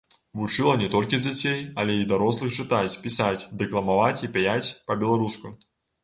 Вучыла не толькі дзяцей, але й дарослых чытаць, пісаць, дэкламаваць і пяяць па-беларуску.